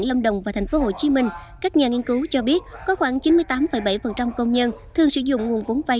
lâm đồng và thành phố hồ chí minh các nhà nghiên cứu cho biết có khoảng chín mươi tám bảy công nhân thường sử dụng nguồn vốn vai